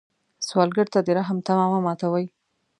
سوالګر ته د رحم تمه مه ماتوي